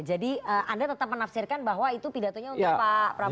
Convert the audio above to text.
jadi anda tetap menafsirkan bahwa itu pidatonya untuk pak prabowo